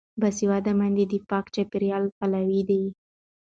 باسواده میندې د پاک چاپیریال پلوي دي.